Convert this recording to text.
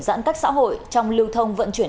giãn cách xã hội trong lưu thông vận chuyển